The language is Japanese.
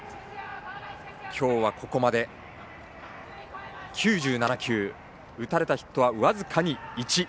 今日はここまで９７球打たれたヒット僅かに１。